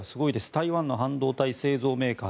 台湾の半導体製造メーカー